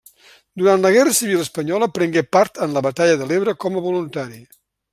Durant la guerra civil espanyola prengué part en la batalla de l'Ebre com a voluntari.